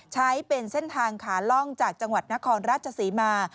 ใช้เป็นเส้นทางขาล่องจากจังหวัดนครราชศรีมา